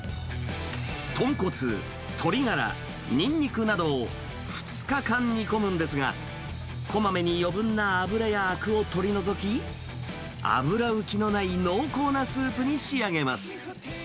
豚骨、鶏ガラ、ニンニクなどを２日間煮込むんですが、こまめに余分な脂やあくを取り除き、脂浮きのない濃厚なスープに仕上げます。